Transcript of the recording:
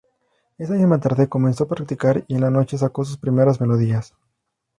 Esa misma tarde comenzó a practicar y en la noche sacó sus primeras melodías.